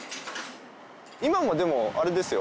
今もでもあれですよ